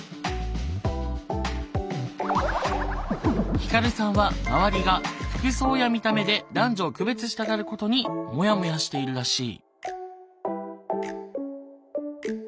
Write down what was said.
ひかるさんは周りが服装や見た目で男女を区別したがることにモヤモヤしているらしい。